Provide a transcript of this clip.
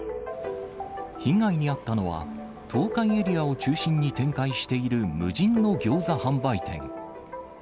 被害に遭ったのは、東海エリアを中心に展開している無人のギョーザ販売店。